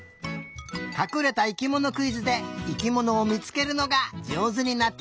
かくれた生きものクイズで生きものをみつけるのがじょうずになってきたね！